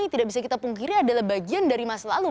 yang tidak bisa kita pungkiri adalah bagian dari masa lalu